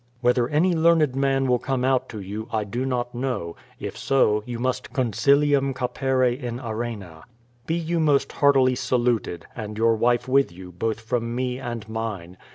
Whether any learned man will come out to you, I do not know; if so, you must Con silium capere in arena. Be you most heartily saluted, and your wife with you, both from me and mine.